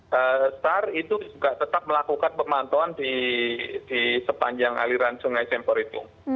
kita juga tetap melakukan pemantauan di sepanjang aliran sungai sempur itu